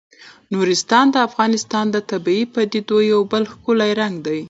نورستان د افغانستان د طبیعي پدیدو یو بل ښکلی رنګ دی.